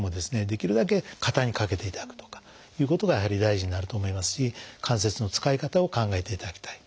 できるだけ肩にかけていただくとかいうことがやはり大事になると思いますし関節の使い方を考えていただきたい。